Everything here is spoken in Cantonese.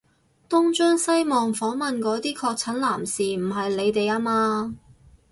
東張西望訪問嗰啲確診男士唔係你哋吖嘛？